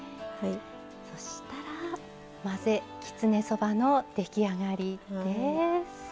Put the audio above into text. そしたら混ぜきつねそばの出来上がりです。